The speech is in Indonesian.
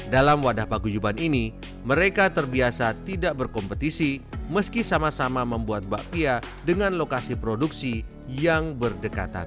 dalam wadah paguyuban ini mereka terbiasa tidak berkompetisi meski sama sama membuat bakpia dengan lokasi produksi yang berdekatan